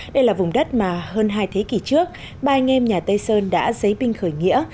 đây là vùng đất mà hơn hai thế kỷ trước ba anh em nhà tây sơn đã giấy binh khởi nghĩa